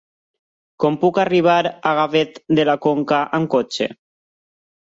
Com puc arribar a Gavet de la Conca amb cotxe?